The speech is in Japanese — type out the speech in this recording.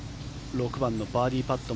６番のバーディーパット